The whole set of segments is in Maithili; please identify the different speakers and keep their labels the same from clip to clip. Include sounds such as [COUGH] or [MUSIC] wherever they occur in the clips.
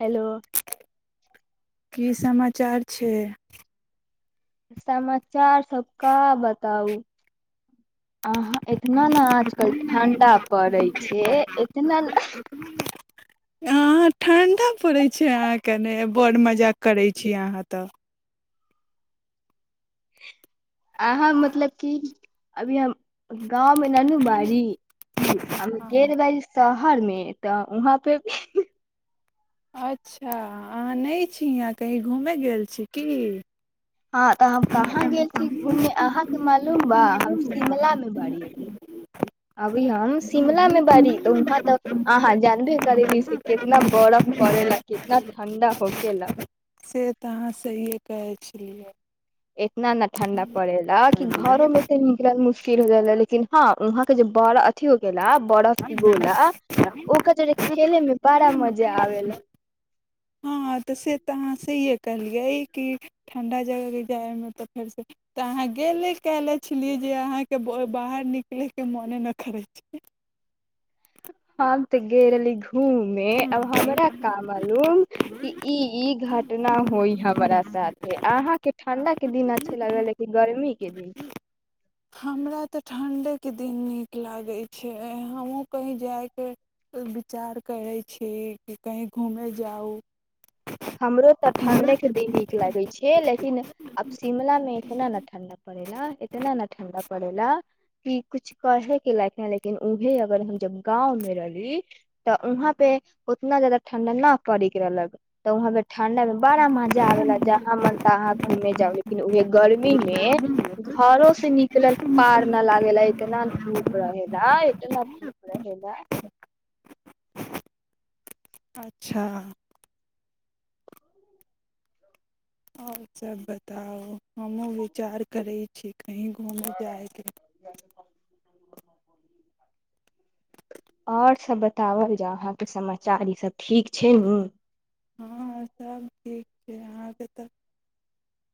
Speaker 1: हेलो
Speaker 2: की समाचार छै
Speaker 1: असहमत चार सब का बताउ अहा एतना ने आजकल ठण्डा पड़ै छै एतना ने
Speaker 2: अँ ठण्ढा पड़ैत छै अहाँके ऐने बड़ मजाक करैत छी अहाँ तऽ
Speaker 1: अहाँ मतलब की अभी हम गाँवमे न नू बारी अभि ढेर बरिस तऽ बिहारमे तऽ वहाँ पे भी
Speaker 2: अच्छा अहाँ नहि छी याहाँ कही घूमय गेल छी की
Speaker 1: हँ तऽ हम कहाँ गेल छी घूममे अहाँके मालूम बा हम शिमला मे बड़ीये अभी हम शिमला मे बड़ी तऽ वहाँ तऽ अहाँ जानबे करली से कितना बर्फ पड़े ला कितना ठण्डा होकेेला
Speaker 2: से तऽ अहाँ सहिए कहै छियै
Speaker 1: इतना नऽ ठण्डा पड़ेेला कि घरो मे से निकल मुशकिल हो जा लाऽ लेकिन हँ वहां के जे बड़ा अथी गेला बरफ के गोला ओकर जोे खेले मे बड़ा मजा आबेल
Speaker 2: हँ तऽ से तऽ अहाँ सहिये कहलियै कि ठण्ढा जगहके जायमे तऽ फेरसँ तऽ अहाँ गेले कहने छलियै जे अहाँके बाहर निकलयके मोने नहि करै छै
Speaker 1: हम तऽ गेल रहली घूमे अब हमरा का मालूम ई ई घटना होई हमरा
Speaker 2: छै
Speaker 1: साथे अहााँके ठंडा के दिन अच्छे लगल लेकिन गर्मी के दिन
Speaker 2: हमरा तऽ ठण्ढेके दिन नीक लागै छै हमहूँ कही जायके विचार करै छी कि कही घूमय जाउ
Speaker 1: हमरो तऽ ठण्ढे के दिन नीक लागै छै लेकिन आब शिमला मे इतना न ठंडा पड़ेला इतना न ठंडा पड़ेला कि कुछ कहे के लायक ने लेकिन ऊहे अगर हम जब गाँव मे रहली तऽ उहाँ पे उतना जदा ठण्डा न पड़ेके रहलक तऽ उहाँ मे ठंडा मे बड़ा मजा आबेला जहाँ मन तहाँ घूमे जाउ लेकिन उहे गर्मी मे घरो से निकलल पार न लागेेला इतना धूप रहेला इतना धूप रहेला
Speaker 2: अच्छह आओर सब बताउ हमहुँ विचार करै छी कही घूमे जायके
Speaker 1: आओर सब बताओल जा अहाँके समाचार ई सब ठीक छै नू
Speaker 2: हँ सब ठीक से अहाँके तऽ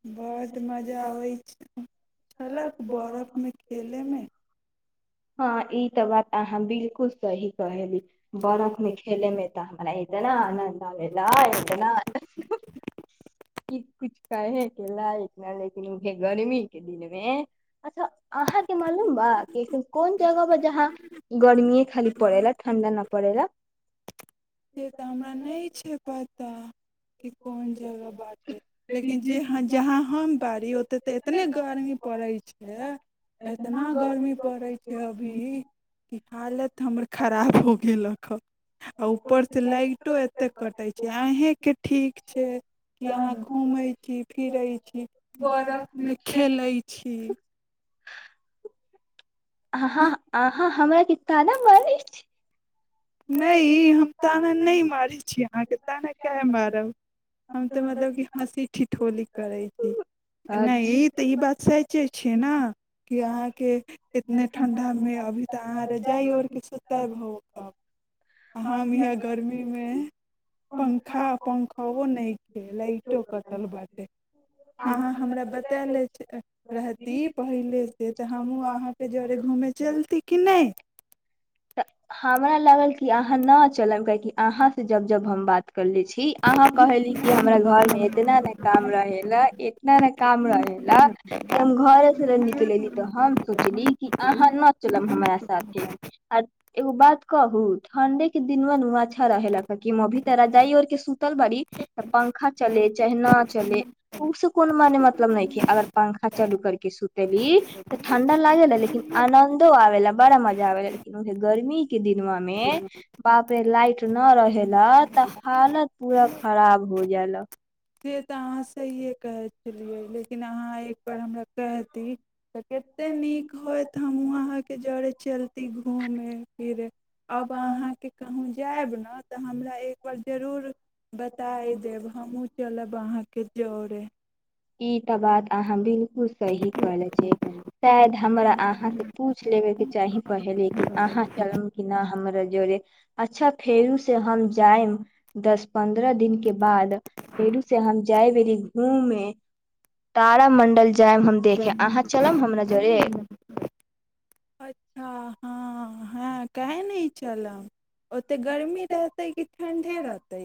Speaker 2: बहुत मजा होइ छै छलक बरफमे खेलेमे
Speaker 1: हँ ई तऽ बात अहाँ बिलकुल सही कहेली बरफमे खेलेमे तऽ हमरा इतना आनन्द आबे ला इतना आनन्द ई कुछ कहे के लाइक न रहि गेलै उहे गर्मी के दिन मे अच्छा अहाँके मालूम बा कि एसन कोन जगा ब जहाँ गर्मी खाली पैरे ठंढा न न पड़े ला
Speaker 2: से तऽ हमरा नहि छै पता कि कोन जगह बात लेकिन जे जहाँ हम बारी ओतेक तऽ एतने गर्मी पड़ैत छै एतना गर्मी पड़ैत छै अभी कि हालत हमर खराब हो गेलक ह आ ऊ उपर से लाइटो एतेक कटै छै आहे के ठीक छै कि अहाँ घूमै छी फिरैत छी
Speaker 1: बरफ मे
Speaker 2: बरफमे
Speaker 1: खेलै
Speaker 2: खेलैत छी
Speaker 1: ह ह आ हँ हमरा क ताना मरै छी
Speaker 2: नहि ई हम ताना नहि मारैत छी अहाँके ताना कए मारब हम तऽ मतलब कि हँसी ठिठौली करैत छी नहि ई तऽ ई बात सचे छिय न कि अहाँके इतने ठण्ढामे अभी तऽ अहाँ रजाइ ओढ़ के सुतल होअब हम यहाँ गर्मीमे पंखा पंखबो नहि छै लाइटो कटल बाटै अहाँ हमरा बताएल रहती पहिलेसँ तऽ हमहूँ अहाँके जरे घूमय चलती कि नहि
Speaker 1: तऽ हमरा लगल कि अहाँ न चलब काहेकि अहाँ से जब जब हम बात करले छी अहाँ कहली कि हमरा घर मे इतना ने काम रहे ला इतना ने काम रहे ला कि हम घरे सँ निकलली तऽ हम सोचली कि अहाँ न चलब हमरा साथे आ एगो बात कहु ठंडे के दिनमा नु अच्छा रहे ला तऽ की अभि हम रजाई ओरह के सुतल बड़ी त पंखा चले चाहे न चले
Speaker 2: नहि
Speaker 1: ऊ सँ कोनो मने मतलब नइखे अगर पंखा चालू कर की सुत देबी तऽ ठंडा लागे ला लेकिन आनंदो आबे ला बड़ा मजा आ लेकिन गर्मी के दिन दिनमा मे बाप रे लाइट न रहेला तऽ हालत पूरा खराब हो जालइ
Speaker 2: जे तऽहाँ सीए कहै छलियै लेकिन अहाँ एक पर हमरा कहती कते नीक होयत हमहु आहा के जड़े छी चलती घूमे फिर आब अहाँके कहू जाएब ने तऽ हमरा एकबार जरूर बताय देब हमहुँ चलब अहाँके जोड़े
Speaker 1: ई तऽ बाद अहाँ बिल सही करे छै शायद हमरा अहाँ से पूछ लेबे के चाही पहले कि अहाँ चल कि न हमरा जड़े अच्छा फेरु से हम जायब दस पन्द्रह दिन के बाद फेरु से हम जायब अी घूममे तारा मण्डल जी
Speaker 2: अच्छा हँ हँ काह नहि चलब ओतेक गर्मी रहतै कि ठण्डे रहतै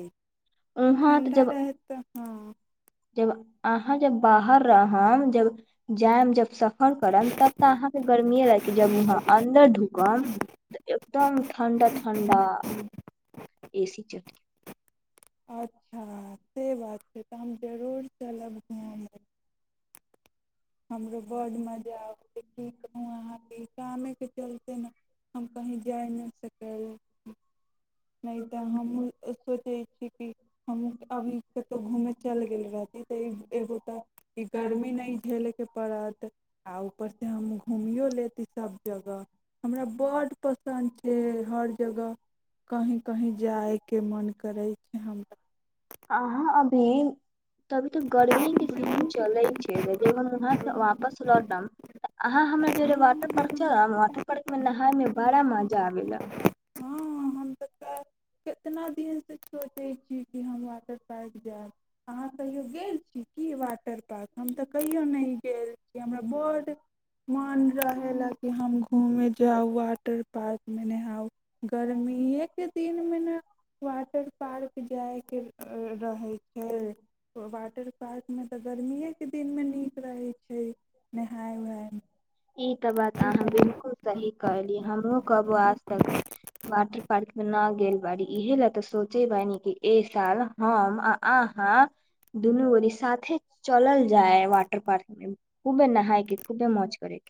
Speaker 1: उहाँ तऽ
Speaker 2: ठण्डा
Speaker 1: जब
Speaker 2: रहत तऽ हँ
Speaker 1: जब अहाँ जब बाहर रहब जब जायम जब सफर करब तब तऽ अहाँके गर्मीए लाग ज अन्दर ढुकब एकदम ठण्डा ठं्डा ए सी चट
Speaker 2: अच्छा से बात छै तऽ हम जरूर चलब घुम ल हमरो बड्ड मजा आबै छै क कहू अहाँके कमेके चलते ने हम कहीँ जाय नहि सकल नहि तऽ हम सोचे ककि हमहूँ अभी कतहु घूमय चलि गेल रहती तऽ एगो तऽ ई गर्मी नहि झेलयके पड़त आ ऊपरसँ हम घूमियो लेती सभ जगह हमरा बड्ड पसन्द छै हर जगह कहीँ कहीँ जायके मोन करै अहम
Speaker 1: अहाँ अभी त अभी तऽ गर्मी के सीजन चलैत छै जखन वहाँ
Speaker 2: हमरा
Speaker 1: वापस लौटब तऽ अहाँ हमरा जेे वाटर पार्क चल वाटर पार्क मे नहााय मे बड़ा मजा आब
Speaker 2: हँ ितनाी स सोचै छी कि हम वाटर पार्क जायब अहाँ कहियो गेल छी की वाटर पार्क हम तऽ कहियो नहि गेल छी हमरा बड्ड मन रहेला कि हम घूमे मे जा हुआटर पार्क के दिन मे ने वाटर पार्क जाय के अ, रहे छै वाटर पार्क मे तऽ गर्मीए के दिन मे नीक रहे छै नहाय उहाय
Speaker 1: ई तऽ बात अहाँ
Speaker 2: मे
Speaker 1: बिलकुल सही कहली हमहुँ कहबो आज तक वाटर पार्क मे ना गेल बारी इहे ले तऽ सोचे ब कि ए साल हम आ अहा दुनू गोरीी साथे चलल जाय वाटर पार्क में खूबे नहाय के खूबे मौज करे के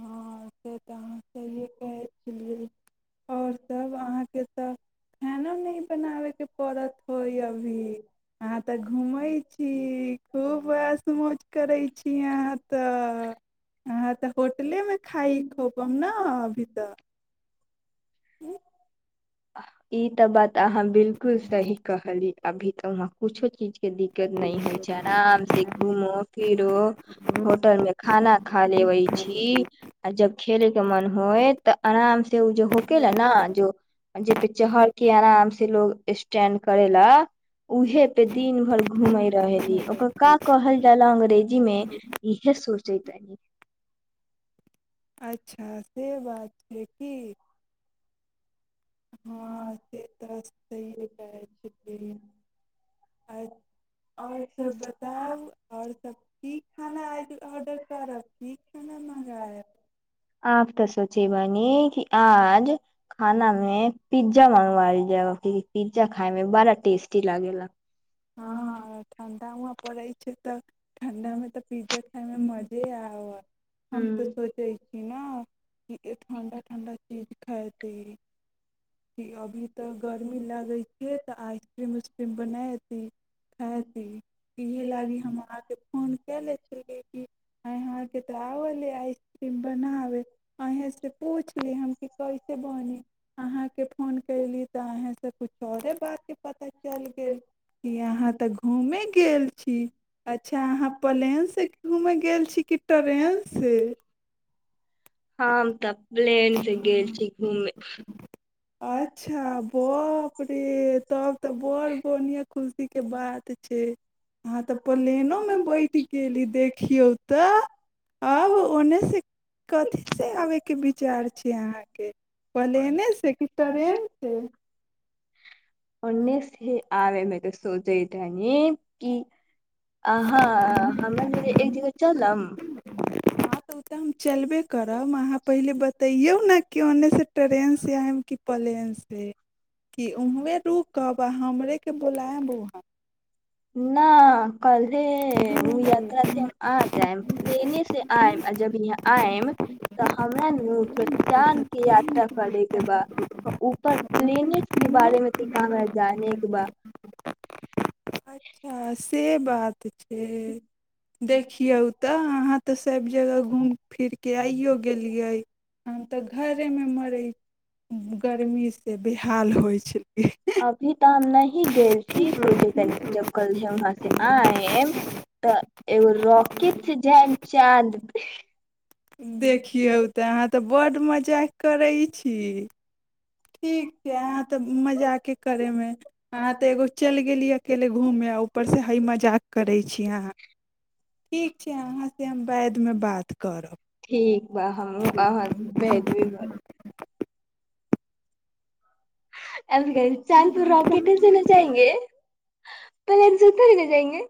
Speaker 2: हँ से तऽ अहाँ सहिए कहै छलिए आओर
Speaker 1: आर
Speaker 2: सब अहाँके तऽ
Speaker 1: ह
Speaker 2: खानो नहि बनाबैके
Speaker 1: कर हो जा
Speaker 2: यहाँ तऽ घूमै छी
Speaker 1: ई खक
Speaker 2: खूब [UNINTELLIGIBLE]
Speaker 1: ई तऽ बात तऽ अहाँ बिलकुल सही कहली अभी तऽ न कुछो चीज के दिक्कत नहि होइ छै आराम से घूमो फिरो होटल मे खाना खा लेबे छी आ जब खेले के मन होय तऽ आराम से उ जे होके ले ने जो जहर के आराम से लोग स्टेंड करे लए उऊहे पे दिन भर घूमे रहली ओकर का कहल जायल अंग्रेजी में इहे सोच जैतानि
Speaker 2: अच्छा से बात छै की हँ से तर स आ आओर सब बताउ आओर सब की खाना आइज ऑर्डर करब की खाना मँगायब
Speaker 1: आप तो सोचिय बनी कि आज खाना में पिज्जा मंगगवा ल जा कि पिज्जा खाायं बड़ा टेस्टी लागे ला
Speaker 2: हँ ठण्डा हुआाँ पड़ैत छै तऽ ठण्डा मे तऽ पिज्जा खाायमे मजे आ हम तऽ
Speaker 1: हम्म
Speaker 2: सोचै छी ने ए ठंडा ठंडा चीज खायते क अभी ते गर्मी लागे छै तऽ आइसक्रीम उसक्रीम बना ज ख जी इएहे लागी हम अहाँकेँ फोन कए लै छलियै कि अहाँके तऽ आबले आइसक्रीम बनाबै अहीँसँ पूछ ली हम कि कैसे बनी अहाँकेँ फोन कयली तऽ अहीँसँ किछु आओरे बातके पता चलि गेल कि अहाँ तऽ घूमेय गेल छी अच्छा अहाँ प्लेनसँ घूमय गेल छी कि ट्रेनसँ
Speaker 1: ह तऽ प्लेन से गेल छी घूमे
Speaker 2: अच्छा बाप रे तब तऽ बड़ बढ़िया खुशी के बात छै अहाँ तऽ प्लेनो में बैठ गेली देखियौ तऽ आब ओने से कथी से आबैके विचार छै अहाँके प्लेनेसँ कि ट्रेनसँ ह
Speaker 1: आ मै तऽ सोझै त न की अहाँ
Speaker 2: हँ
Speaker 1: हमरा जे एक जगह चलम
Speaker 2: हँ तऽ ओ तऽ हम चलबे करब अहाँ पहिले बतैयौ ने कि ओन्नेऽसँ ट्रेनसँ आयब कि प्लेनसँ कि उहँ रुकब आ हमरेकेँ बोलायब वहाँ ह
Speaker 1: कहले ओ यात्रा से हम आ जायब प्लेने से आयम आ जब यहाँ आयम तऽ हमरा ने चाँद के यात्रा करे के बा ऊपर प्लेनेट के बारे मे त हमरा जाने के बा
Speaker 2: आ बात छै देखियौ तऽ अहाँ तऽ सभ जगह घूमि फिरि कऽ आइओ गेलियै हम तऽ घरेमे मरै गर्मीसँ बेहाल होइ छलियै
Speaker 1: ी गल छीी सोचे जनी से जब कल है वहाँ से हँ एम तऽ एगो रॉकेट छै जेम चाँद
Speaker 2: देखियौ तऽ अहाँ तऽ बड्ड मजाक करैत छी ठीक छै अहाँ तऽ मजाक करयमे अहाँ तऽ एगो चलि गेलीै अकेले घूमय आ ऊपरसँ हइ मजाक करै छी अहाँ ठीक छै अहाँसँ हम वाद्यमे बात
Speaker 1: ठीक बा हमहू अहाँ से
Speaker 2: करब
Speaker 1: भेजबी चाल फर रॉकेटे से ल जाएंगे पल जत लेने जाएंगे